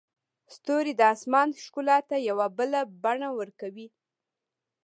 ستوري د اسمان ښکلا ته یو بله بڼه ورکوي.